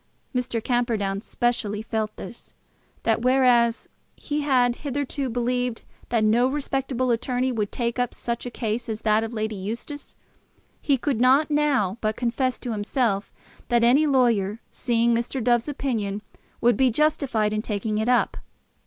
Mr. Camperdown specially felt this, that whereas he had hitherto believed that no respectable attorney would take up such a case as that of Lady Eustace, he could not now but confess to himself that any lawyer seeing Mr. Dove's opinion would be justified in taking it up.